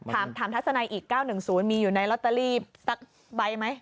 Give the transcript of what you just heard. ถามทัศนัยอีก๙๑๐มีอยู่ในลอตเตอรี่สักใบไหม